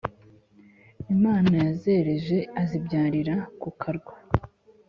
imana yazereje azibyarira ku karwa.